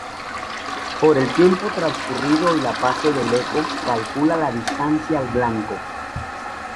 Por el tiempo transcurrido y la fase del eco, calcula la distancia al blanco.